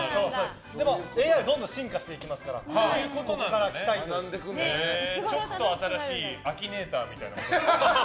でも、ＡＩはどんどん進化していきますからちょっと新しいアキネーターみたいな。